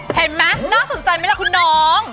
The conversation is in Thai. เห็นไหมน่าสนใจไหมล่ะคุณน้อง